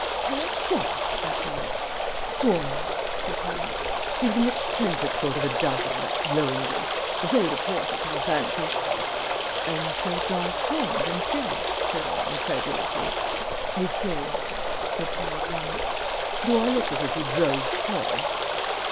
"Pair of what?" I cried. "Swans," said Hamlet. "He's an eccentric sort of a duffer, that Lohengrin. Afraid of horses, I fancy." "And so drives swans instead?" said I, incredulously. "The same," replied Hamlet. "Do I look as if he drove squab?"